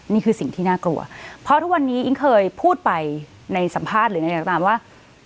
นี่คือสิ่งที่น่ากลัวเพราะทุกวันนี้อิ๊งเคยพูดไปในสัมภาษณ์หรืออะไรก็ตามว่า